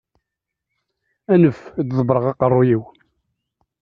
Anef ad ḍebbreɣ aqerru-iw.